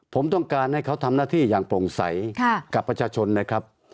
ผมต้องการให้เขาทำหน้าที่อย่างโปร่งใสกับประชาชนนะครับ